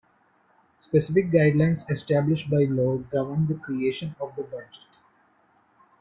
Specific guidelines established by law govern the creation of the budget.